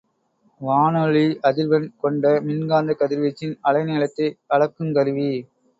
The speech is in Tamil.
வானொலி அதிர்வெண் கொண்ட மின்காந்தக் கதிர்வீச்சின் அலைநீளத்தை அளக்குங் கருவி.